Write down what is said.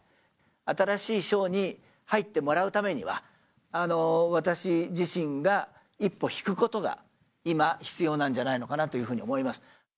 新しい章に入ってもらうためには、私自身が一歩引くことが、今必要なんじゃないのかなというふうに思います。